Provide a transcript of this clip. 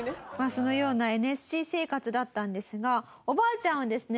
そのようなＮＳＣ生活だったんですがおばあちゃんはですね